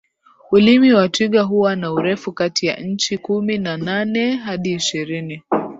Ulimi wa twiga huwa na urefu kati ya inchi kumi na nane hadi ishirini